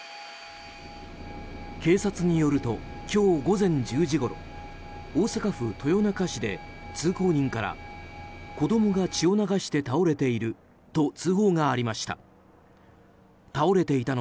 警察によると今日午前１０時ごろ大阪府豊中市で、通行人から子供が血を流して倒れていると通報がありました。